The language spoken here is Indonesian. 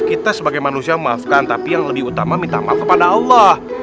kita sebagai manusia maafkan tapi yang lebih utama minta maaf kepada allah